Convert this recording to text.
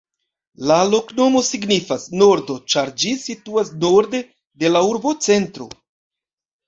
La loknomo signifas: nordo, ĉar ĝi situas norde de la urbocentro.